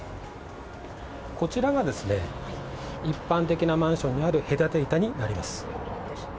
こちらが、一般的なマンションにある隔て板になります。